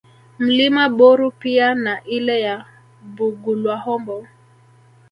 Mlima Boru pia na ile ya Bugulwahombo